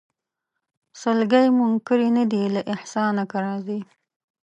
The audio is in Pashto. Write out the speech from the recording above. سلګۍ منکري نه دي له احسانه که راځې